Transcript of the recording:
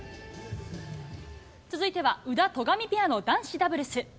続いては、宇田・戸上ペアの男子ダブルス。